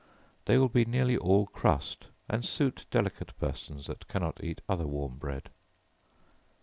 They will be nearly all crust, and suit delicate persons that cannot eat other warm bread.